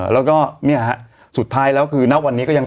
แล้วก็นี้สุดท้ายแล้วคือนับวันนี้ก็ยัง